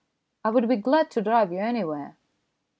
I would be glad to drive you anywhere."